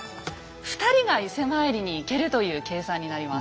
２人が伊勢参りに行けるという計算になります。